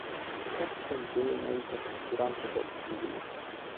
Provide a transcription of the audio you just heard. Această idee merită cu siguranță tot sprijinul.